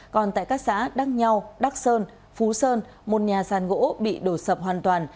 còn tại các xã đăng nhau đắc sơn phú sơn một nhà sàn gỗ bị đổ sập hoàn toàn